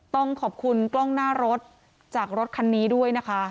ต้องขอบคุณกล้องหน้ารถจากรถคันนี้ด้วยนะคะ